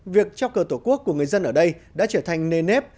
việc treo cờ tổ quốc của người dân ở đây đã trở thành nề nếp